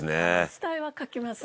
下絵は描きます。